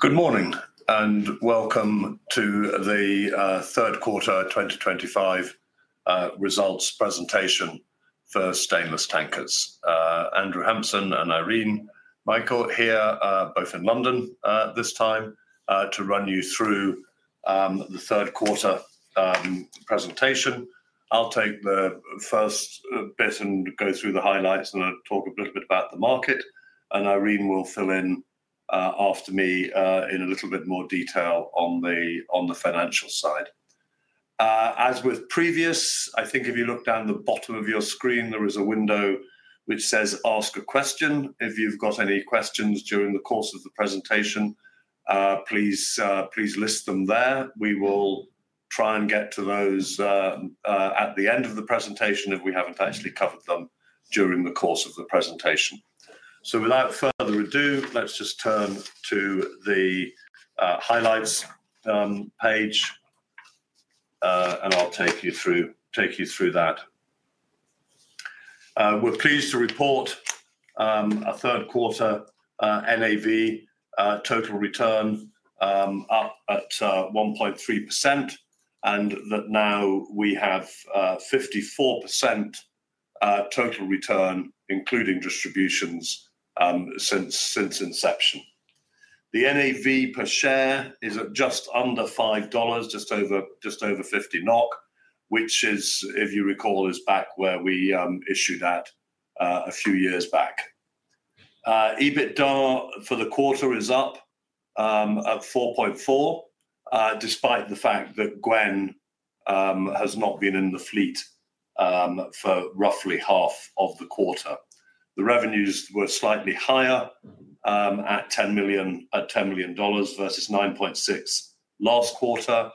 Good morning and welcome to the third quarter 2025 results presentation for Stainless Tankers. Andrew Hampson and Irene Michael here, both in London at this time, to run you through the third quarter presentation. I'll take the first bit and go through the highlights, and I'll talk a little bit about the market, and Irene will fill in after me in a little bit more detail on the financial side. As with previous, I think if you look down the bottom of your screen, there is a window which says "Ask a Question." If you've got any questions during the course of the presentation, please list them there. We will try and get to those at the end of the presentation if we haven't actually covered them during the course of the presentation. Without further ado, let's just turn to the highlights page, and I'll take you through that. We're pleased to report a third quarter NAV total return up at 1.3%, and that now we have 54% total return, including distributions, since inception. The NAV per share is at just under $5, just over $50 knot, which, if you recall, is back where we issued that a few years back. EBITDA for the quarter is up at 4.4. Despite the fact that Gwen has not been in the fleet for roughly half of the quarter, the revenues were slightly higher at $10 million versus 9.6 last quarter,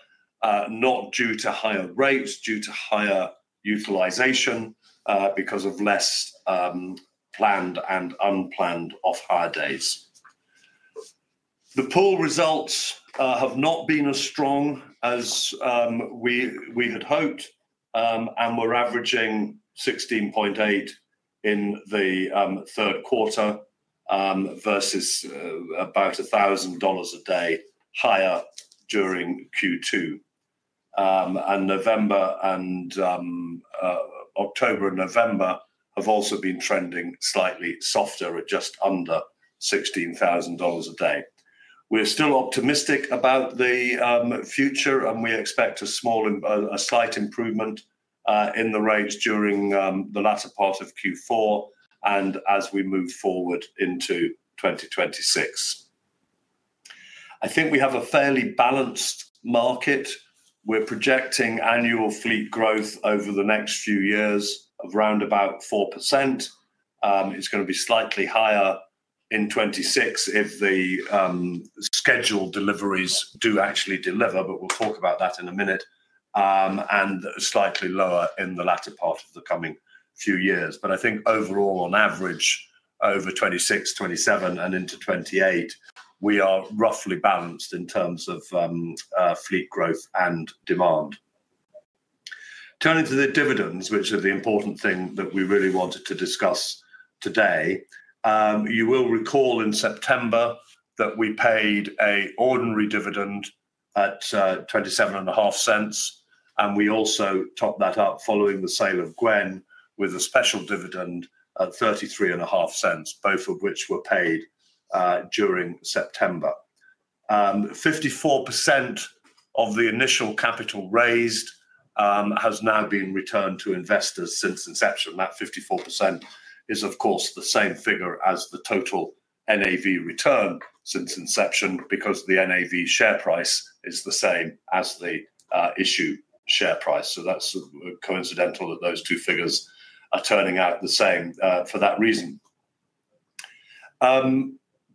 not due to higher rates, due to higher utilization because of less planned and unplanned off-hire days. The pool results have not been as strong as we had hoped, and we're averaging 16.8 in the third quarter versus about $1,000 a day higher during Q2. And November and October and November have also been trending slightly softer, at just under $16,000 a day. We're still optimistic about the future, and we expect a slight improvement in the rates during the latter part of Q4 and as we move forward into 2026. I think we have a fairly balanced market. We're projecting annual fleet growth over the next few years of around about 4%. It's going to be slightly higher in 2026 if the scheduled deliveries do actually deliver, but we'll talk about that in a minute. And slightly lower in the latter part of the coming few years. I think overall, on average, over 2026, 2027, and into 2028, we are roughly balanced in terms of fleet growth and demand. Turning to the dividends, which are the important thing that we really wanted to discuss today. You will recall in September that we paid an ordinary dividend at $0.275, and we also topped that up following the sale of Gwen with a special dividend at $0.335, both of which were paid during September. 54% of the initial capital raised has now been returned to investors since inception. That 54% is, of course, the same figure as the total NAV return since inception because the NAV share price is the same as the issue share price. That is coincidental that those two figures are turning out the same for that reason.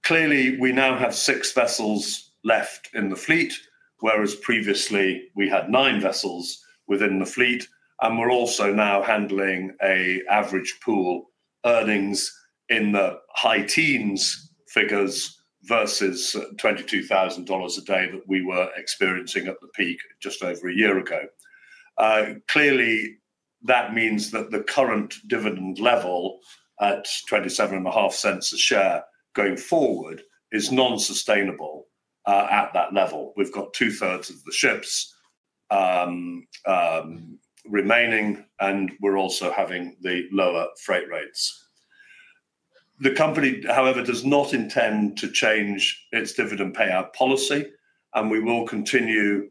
Clearly, we now have six vessels left in the fleet, whereas previously we had nine vessels within the fleet, and we are also now handling an average pool earnings in the high teens figures versus $22,000 a day that we were experiencing at the peak just over a year ago. Clearly, that means that the current dividend level at $0.275 a share going forward is non-sustainable at that level. We've got two-thirds of the ships remaining, and we're also having the lower freight rates. The company, however, does not intend to change its dividend payout policy, and we will continue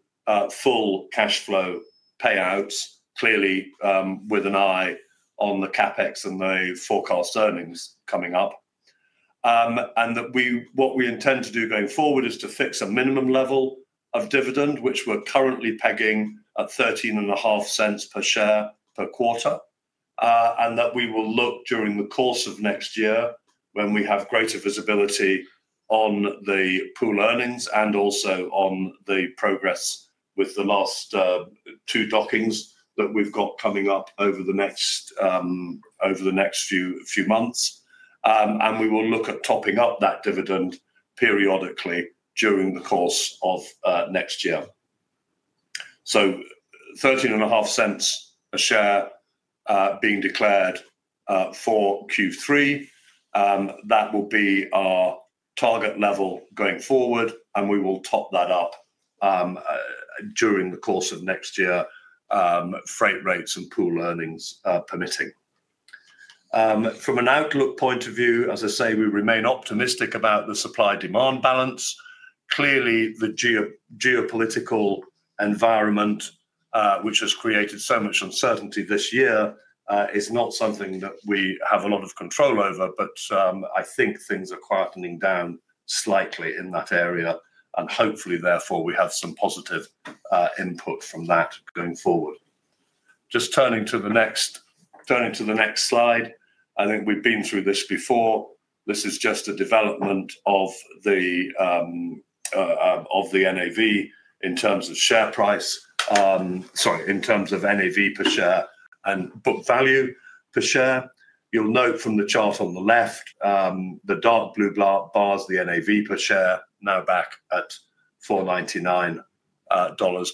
full cash flow payouts, clearly with an eye on the CapEx and the forecast earnings coming up. What we intend to do going forward is to fix a minimum level of dividend, which we're currently pegging at $0.135 per share per quarter. We will look during the course of next year when we have greater visibility on the pool earnings and also on the progress with the last two dockings that we've got coming up over the next few months. We will look at topping up that dividend periodically during the course of next year. $0.135 a share being declared for Q3. That will be our target level going forward, and we will top that up during the course of next year, freight rates and pool earnings permitting. From an outlook point of view, as I say, we remain optimistic about the supply-demand balance. Clearly, the geopolitical environment, which has created so much uncertainty this year, is not something that we have a lot of control over, but I think things are quietening down slightly in that area, and hopefully, therefore, we have some positive input from that going forward. Just turning to the next slide, I think we've been through this before. This is just a development of the NAV in terms of share price. Sorry, in terms of NAV per share and book value per share. You'll note from the chart on the left, the dark blue bar is the NAV per share, now back at $4.99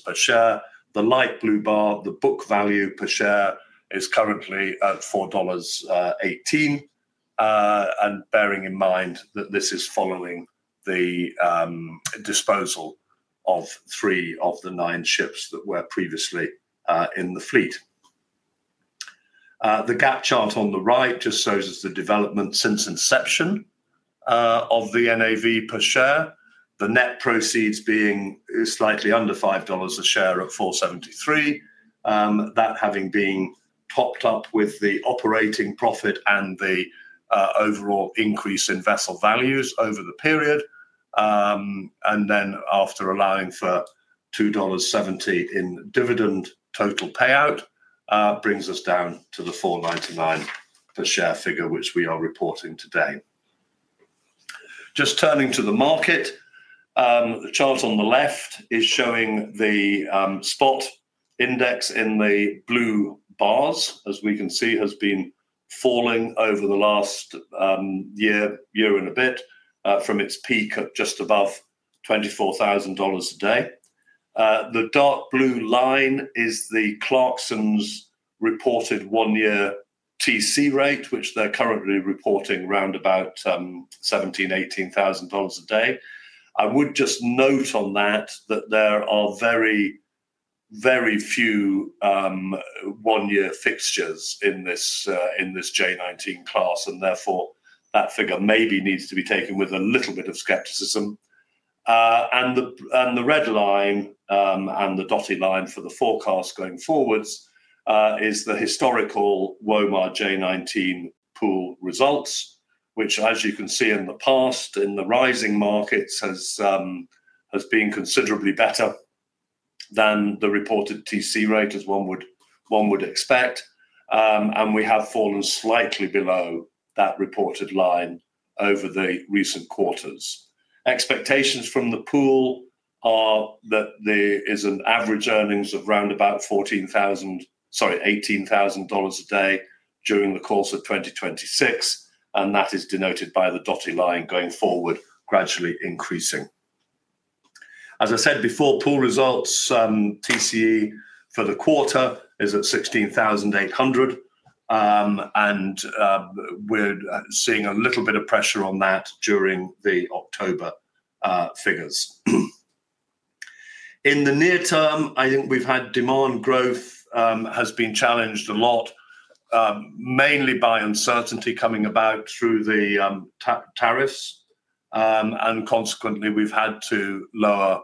per share. The light blue bar, the book value per share, is currently at $4.18. And bearing in mind that this is following the disposal of three of the nine ships that were previously in the fleet. The GAAP chart on the right just shows us the development since inception of the NAV per share. The net proceeds being slightly under $5 a share at $4.73. That having been topped up with the operating profit and the overall increase in vessel values over the period. After allowing for $2.70 in dividend total payout, brings us down to the $4.99 per share figure, which we are reporting today. Just turning to the market. The chart on the left is showing the spot index in the blue bars, as we can see, has been falling over the last year and a bit from its peak at just above $24,000 a day. The dark blue line is the Clarksons' reported one-year TC rate, which they're currently reporting around about $17,000-$18,000 a day. I would just note on that that there are very few one-year fixtures in this J19 class, and therefore that figure maybe needs to be taken with a little bit of skepticism. The red line and the dotted line for the forecast going forwards is the historical WOMAR J19 pool results, which, as you can see in the past, in the rising markets, has been considerably better than the reported TC rate, as one would expect. We have fallen slightly below that reported line over the recent quarters. Expectations from the pool are that there is an average earnings of around about $18,000 a day during the course of 2026, and that is denoted by the dotted line going forward, gradually increasing. As I said before, pool results TCE for the quarter is at $16,800. We are seeing a little bit of pressure on that during the October figures. In the near term, I think we've had demand growth has been challenged a lot, mainly by uncertainty coming about through the tariffs. Consequently, we've had to lower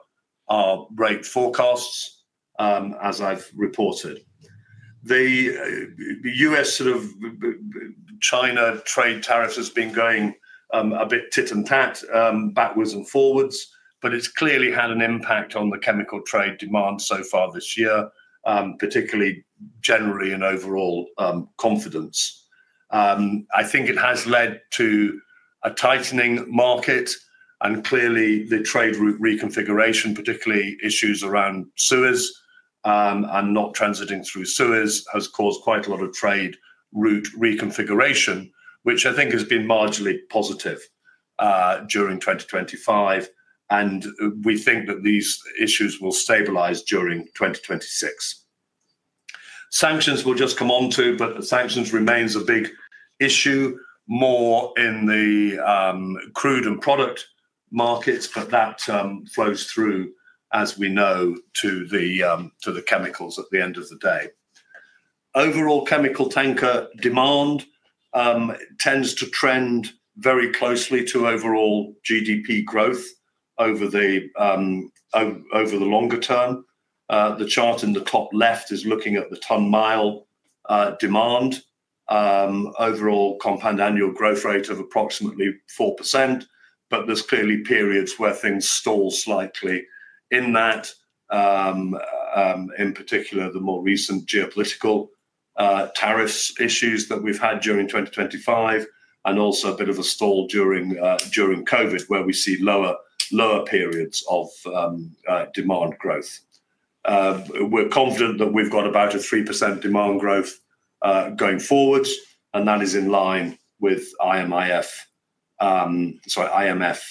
our rate forecasts. As I've reported, the U.S. sort of China trade tariffs has been going a bit tit and tat, backwards and forwards, but it's clearly had an impact on the chemical trade demand so far this year, particularly generally and overall confidence. I think it has led to a tightening market, and clearly the trade route reconfiguration, particularly issues around Suez. Not transiting through Suez has caused quite a lot of trade route reconfiguration, which I think has been marginally positive during 2025. We think that these issues will stabilize during 2026. Sanctions will just come onto, but the sanctions remain a big issue, more in the crude and product markets, but that flows through, as we know, to the chemicals at the end of the day. Overall chemical tanker demand tends to trend very closely to overall GDP growth over the longer term. The chart in the top left is looking at the ton-mile demand. Overall compound annual growth rate of approximately 4%, but there are clearly periods where things stall slightly in that. In particular, the more recent geopolitical tariff issues that we have had during 2025, and also a bit of a stall during COVID, where we see lower periods of demand growth. We're confident that we've got about a 3% demand growth going forward, and that is in line with IMF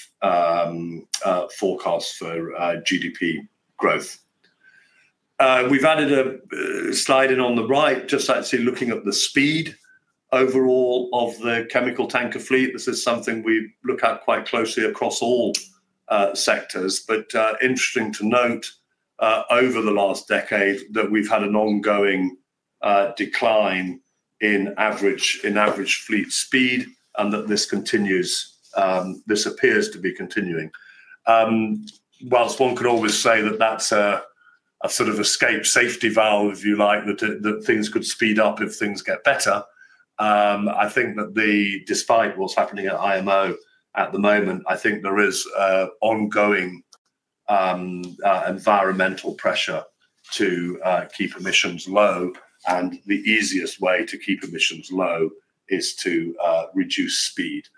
forecast for GDP growth. We've added a slide in on the right, just actually looking at the speed overall of the chemical tanker fleet. This is something we look at quite closely across all sectors, but interesting to note over the last decade that we've had an ongoing decline in average fleet speed, and that this appears to be continuing. Whilst one could always say that that's a sort of escape safety valve, if you like, that things could speed up if things get better. I think that despite what's happening at IMO at the moment, I think there is ongoing environmental pressure to keep emissions low, and the easiest way to keep emissions low is to reduce speed.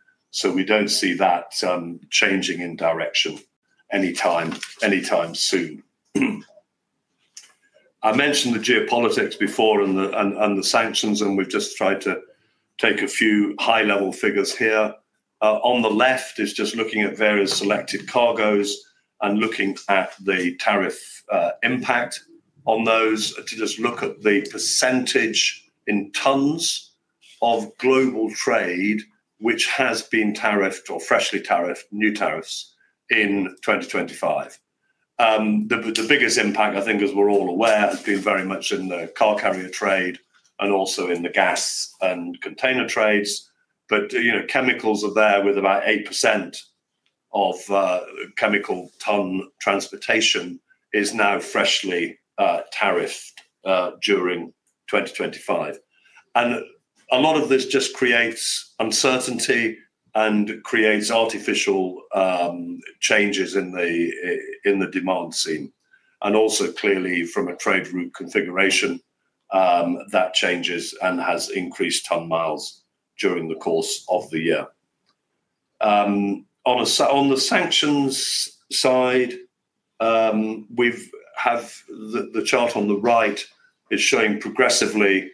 We do not see that changing in direction anytime soon. I mentioned the geopolitics before and the sanctions, and we have just tried to take a few high-level figures here. On the left is just looking at various selected cargoes and looking at the tariff impact on those, to just look at the percentage in tons of global trade which has been tariffed or freshly tariffed, new tariffs in 2025. The biggest impact, I think, as we are all aware, has been very much in the car carrier trade and also in the gas and container trades. Chemicals are there, with about 8% of chemical ton transportation now freshly tariffed during 2025. A lot of this just creates uncertainty and creates artificial changes in the demand scene. Also, clearly, from a trade route configuration, that changes and has increased ton miles during the course of the year. On the sanctions side, the chart on the right is showing progressively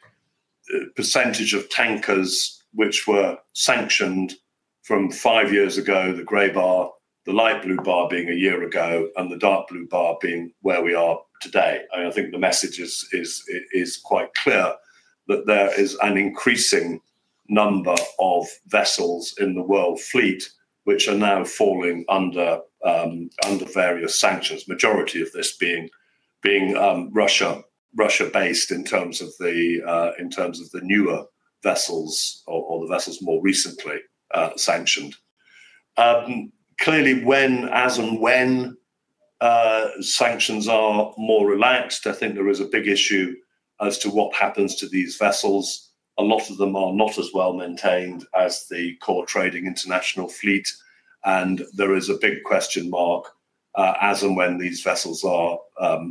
the percentage of tankers which were sanctioned from five years ago, the gray bar, the light blue bar being a year ago, and the dark blue bar being where we are today. I think the message is quite clear that there is an increasing number of vessels in the world fleet which are now falling under various sanctions, majority of this being Russia-based in terms of the newer vessels or the vessels more recently sanctioned. Clearly, as and when sanctions are more relaxed, I think there is a big issue as to what happens to these vessels. A lot of them are not as well maintained as the core trading international fleet, and there is a big question mark. As and when these vessels are,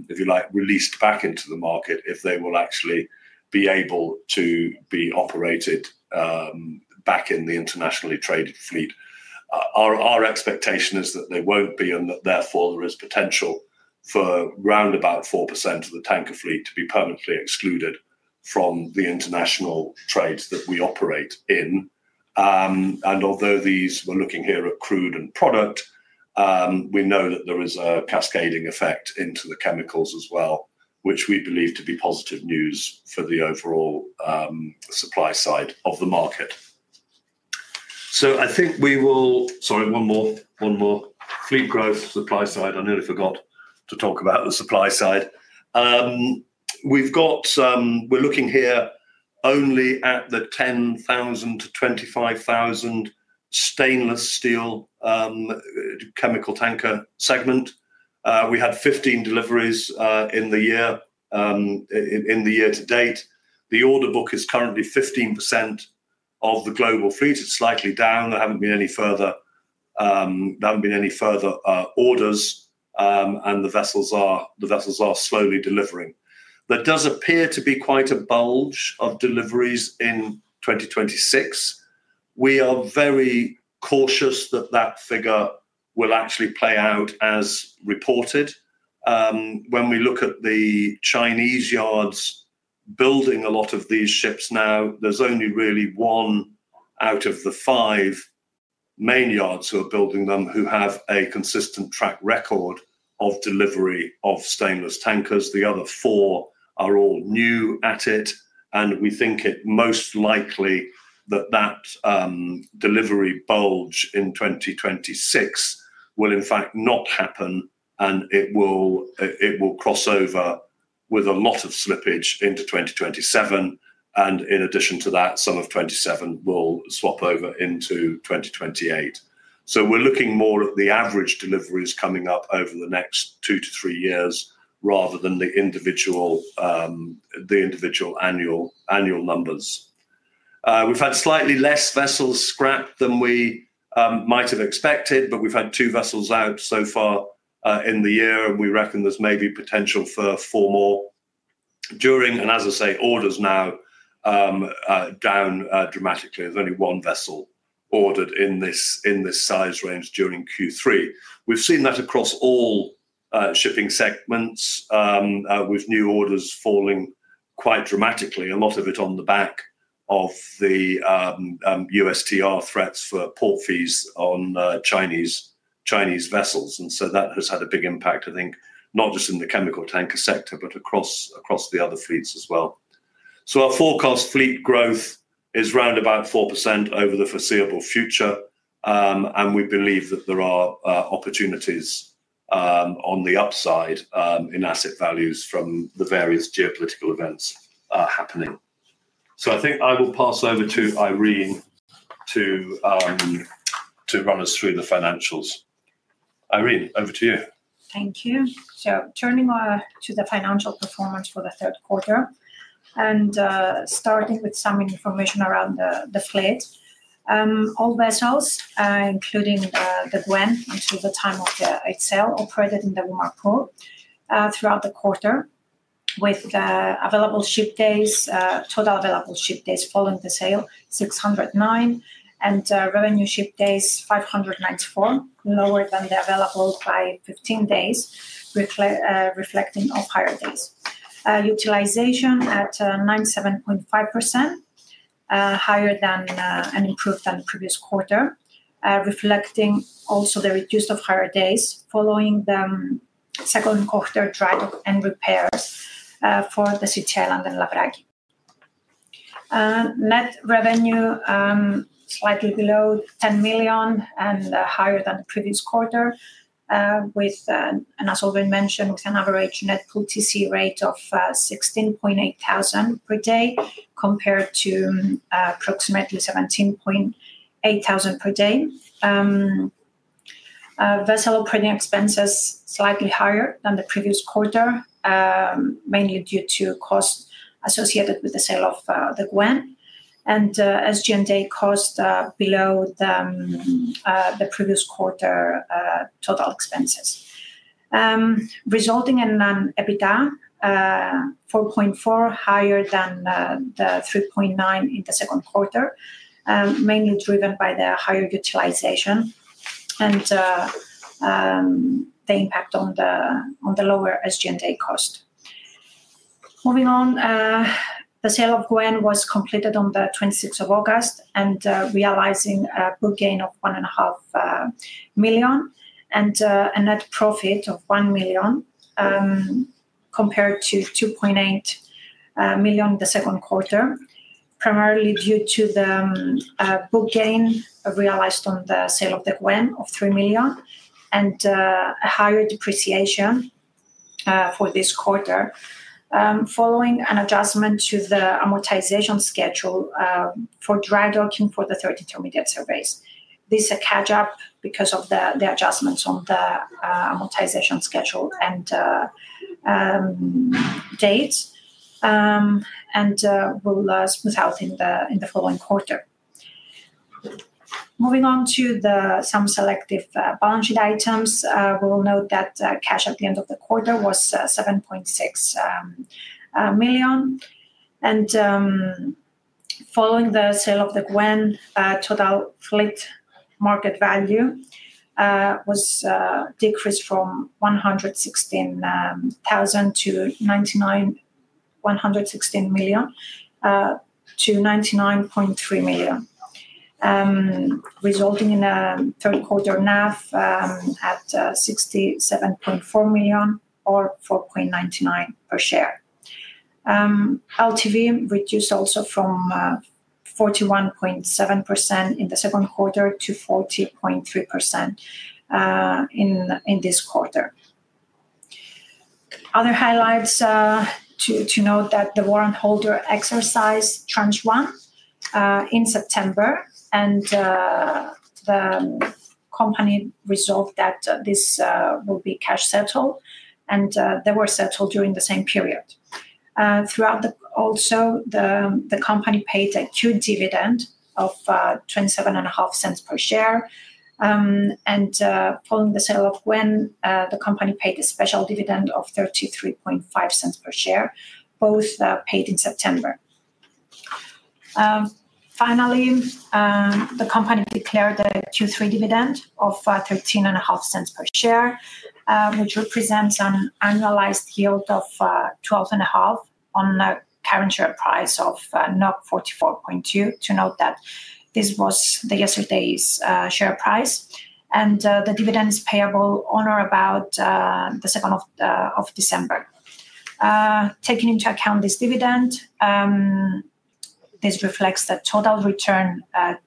if you like, released back into the market, if they will actually be able to be operated back in the internationally traded fleet. Our expectation is that they won't be, and that therefore there is potential for around about 4% of the tanker fleet to be permanently excluded from the international trade that we operate in. Although we're looking here at crude and product, we know that there is a cascading effect into the chemicals as well, which we believe to be positive news for the overall supply side of the market. I think we will, sorry, one more. Fleet growth, supply side. I nearly forgot to talk about the supply side. We're looking here only at the 10,000-25,000 stainless steel chemical tanker segment. We had 15 deliveries in the year to date. The order book is currently 15% of the global fleet. It's slightly down. There haven't been any further orders. The vessels are slowly delivering. There does appear to be quite a bulge of deliveries in 2026. We are very cautious that that figure will actually play out as reported. When we look at the Chinese yards building a lot of these ships now, there's only really one out of the five main yards who are building them who have a consistent track record of delivery of stainless tankers. The other four are all new at it, and we think it most likely that that delivery bulge in 2026 will, in fact, not happen, and it will cross over with a lot of slippage into 2027. In addition to that, some of 2027 will swap over into 2028. We're looking more at the average deliveries coming up over the next two to three years rather than the annual numbers. We've had slightly less vessels scrapped than we might have expected, but we've had two vessels out so far in the year, and we reckon there's maybe potential for four more. Orders now are down dramatically. There's only one vessel ordered in this size range during Q3. We've seen that across all shipping segments, with new orders falling quite dramatically, a lot of it on the back of the USTR threats for port fees on Chinese vessels. That has had a big impact, I think, not just in the chemical tanker sector, but across the other fleets as well. Our forecast fleet growth is around 4% over the foreseeable future. We believe that there are opportunities. On the upside in asset values from the various geopolitical events happening. I think I will pass over to Irene to run us through the financials. Irene, over to you. Thank you. Turning to the financial performance for the third quarter and starting with some information around the fleet. All vessels, including the Gwen until the time of its sale, operated in the WOMAR pool throughout the quarter with available ship days, total available ship days following the sale, 609, and revenue ship days, 594, lower than the available by 15 days. Reflecting off-hire days. Utilization at 97.5%. Higher than and improved than the previous quarter, reflecting also the reduced off-hire days following the second quarter dry docking and repairs for the City Island and La Braggi. Net revenue. Slightly below $10 million and higher than the previous quarter. As already mentioned, with an average net pool TC rate of $16,800 per day compared to approximately $17,800 per day. Vessel operating expenses slightly higher than the previous quarter mainly due to costs associated with the sale of the Gwen and SG&A costs below. The previous quarter total expenses, resulting in an EBITDA $4.4 million, higher than the $3.9 million in the second quarter, mainly driven by the higher utilization and the impact on the lower SG&A cost. Moving on. The sale of Gwen was completed on the 26th of August and realizing a book gain of $1.5 million and a net profit of $1 million, compared to $2.8 million in the second quarter, primarily due to the book gain realized on the sale of the Gwen of $3 million and a higher depreciation for this quarter. Following an adjustment to the amortization schedule for dry docking for the 30 term median surveys. This is a catch-up because of the adjustments on the amortization schedule and dates and will smooth out in the following quarter. Moving on to some selective balance sheet items, we will note that cash at the end of the quarter was $7.6 million. Following the sale of the Gwen, total fleet market value was decreased from $116 million-$99.3 million. Resulting in a third quarter NAV at $67.4 million or $4.99 per share. LTV reduced also from 41.7% in the second quarter to 40.3% in this quarter. Other highlights to note that the warrant holder exercised tranche one in September, and the company resolved that this will be cash settled, and they were settled during the same period. Also, the company paid a Q dividend of $0.275 per share. Following the sale of Gwen, the company paid a special dividend of $0.335 per share, both paid in September. Finally the company declared a Q3 dividend of $0.135 per share, which represents an annualized yield of 12.5% on a current share price of $44.2. To note that this was the yesterday's share price, and the dividend is payable on or about the 2nd of December. Taking into account this dividend. This reflects the total return of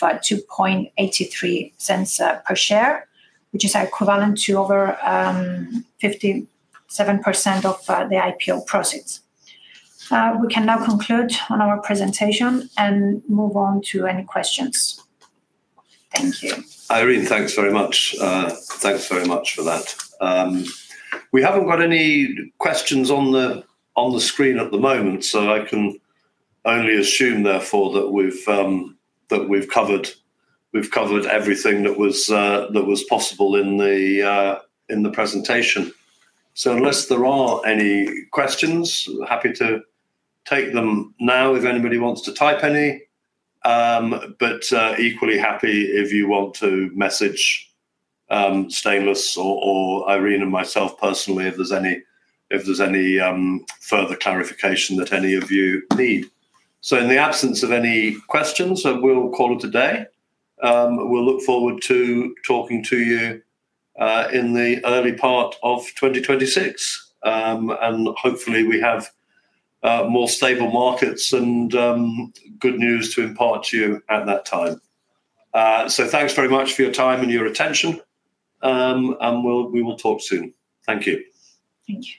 $0.0283 per share, which is equivalent to over 57% of the IPO profits. We can now conclude on our presentation and move on to any questions. Thank you. Irene, thanks very much. Thanks very much for that. We haven't got any questions on the screen at the moment, so I can only assume, therefore, that we've covered everything that was possible in the presentation. Unless there are any questions, happy to take them now if anybody wants to type any. Equally happy if you want to message Stainless or Irene and myself personally if there's any further clarification that any of you need. In the absence of any questions, we'll call it a day. We'll look forward to talking to you in the early part of 2026. Hopefully, we have more stable markets and good news to impart to you at that time. Thanks very much for your time and your attention. We will talk soon. Thank you. Thank you.